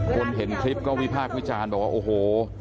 คนเห็นคลิปก็วิพากษ์วิจารณ์บอกว่าโอ้โห